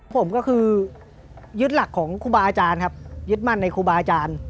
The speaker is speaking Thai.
ผมก็คือยึดหลักของครูบาอาจารย์ครับยึดมั่นในครูบาอาจารย์